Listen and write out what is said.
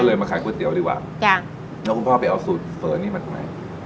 เลยมาขายก๋วยเตี๋ยวดีกว่าจ้ะแล้วคุณพ่อไปเอาสูตรเฟิร์นนี้มาทำไม